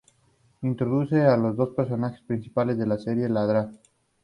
Introduce a los dos personajes principales de la serie, la Dra.